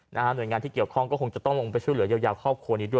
หน่วยงานที่เกี่ยวข้องก็คงจะต้องลงไปช่วยเหลือเยียวยาครอบครัวนี้ด้วย